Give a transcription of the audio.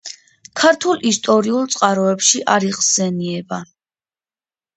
ქართულ ისტორიულ წყაროებში არ იხსენიება.